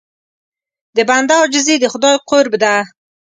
د بنده عاجزي د خدای قرب ده.